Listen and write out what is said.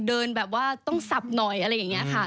เดินแบบว่าต้องสับหน่อยอะไรอย่างนี้ค่ะ